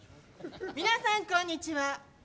皆さん、こんにちは。